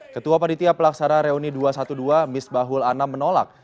ketua panitia pelaksana reuni dua ratus dua belas misbahul anam menolak